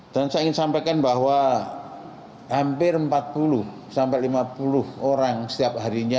dan saya ingin sampaikan bahwa hampir empat puluh sampai lima puluh orang setiap harinya